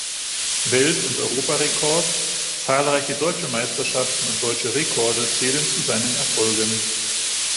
Welt- und Europarekord, zahlreiche deutsche Meisterschaften und deutsche Rekorde zählen zu seinen Erfolgen.